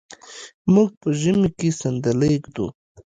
موږ په ژمي کې صندلی ږدو.